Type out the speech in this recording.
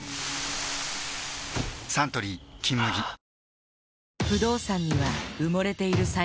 サントリー「金麦」えっ！！